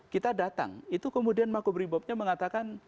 kita datang itu kemudian makobrimobnya mengatakan